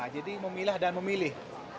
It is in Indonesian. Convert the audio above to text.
jadi memilih dan memilih